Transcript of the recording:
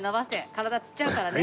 体つっちゃうからね。